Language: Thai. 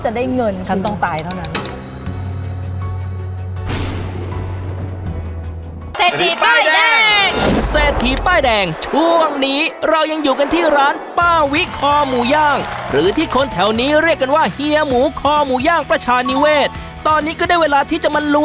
มาจะต้องทำยังไงบ้างให้เฮียหมูสอนกันร่ิมถนนแบบนี้กันเลยดีกว่าครับ